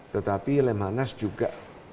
tetapi lemhanas juga